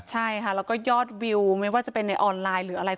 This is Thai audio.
ใช่ค่ะแล้วก็ยอดวิวไม่ว่าจะเป็นในออนไลน์หรืออะไร